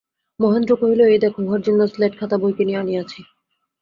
মহেন্দ্র কহিল, এই দেখো, উহার জন্যে স্লেট খাতা বই কিনিয়া আনিয়াছি।